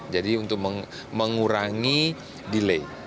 jadi untuk mengurangi delay